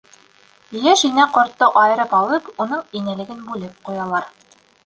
Йәш инә ҡортто айырып алып, уның инәлеген бүлеп ҡуялар.